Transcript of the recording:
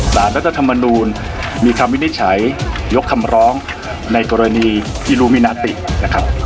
รัฐธรรมนูลมีคำวินิจฉัยยกคำร้องในกรณีอิลูมินาตินะครับ